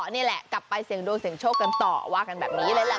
นี่แหละกลับไปเสียงดวงเสียงโชคกันต่อว่ากันแบบนี้เลยแหละ